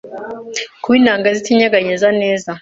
Kuba intanga zitinyeganyeza neza